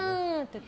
って。